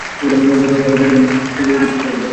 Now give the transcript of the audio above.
যত তাড়াতাড়ি তারা সেই জিনিসটি বের করে দিবে।